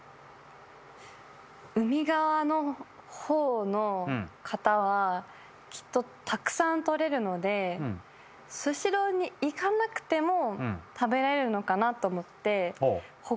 海側のほうの方はきっとたくさんとれるのでスシローに行かなくても食べれるのかなと思ってほう